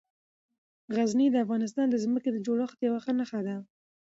غزني د افغانستان د ځمکې د جوړښت یوه ښه نښه ده.